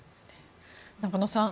中野さん